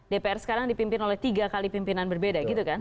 dpr sekarang dipimpin oleh tiga kali pimpinan berbeda gitu kan